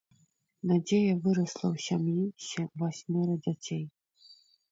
Надзея вырасла ў сям'і з васьмёра дзяцей.